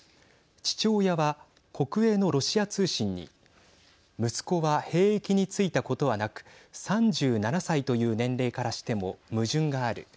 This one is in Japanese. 父親は国営のロシア通信に息子は兵役に就いたことはなく３７歳という年齢からしても矛盾がある。